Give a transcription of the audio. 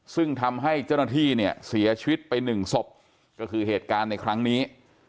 ซึ่งทำให้เจ้าหน้าที่เนี่ยเสียชีวิตไปหนึ่งศพก็คือเหตุการณ์ในครั้งนี้